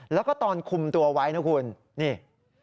แล้วก็ตอนคุมตัวไว้นะคุณนี่